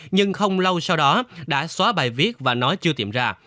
nhưng không lâu sau đó đã xóa bài viết và nói chưa tìm ra